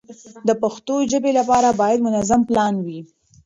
د پښتو ژبې لپاره باید منظم پلان وي.